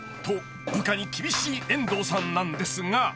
［と部下に厳しい遠藤さんなんですが］